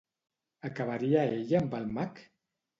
Acabaria ella amb el mag?